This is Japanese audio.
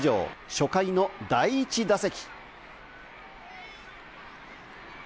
初回の第１打席。